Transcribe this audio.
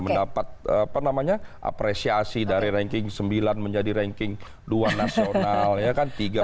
mendapat apresiasi dari ranking sembilan menjadi ranking dua nasional